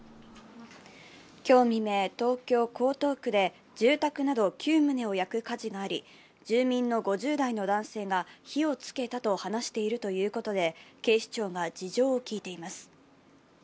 今日未明、東京・江東区で住宅など９棟を焼く火事があり住民の５０代の男性が火をつけたと話しているということで、警視庁が事情を聞いています。